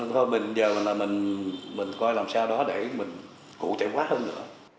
thôi bây giờ là mình coi làm sao đó để mình cụ thể quá hơn nữa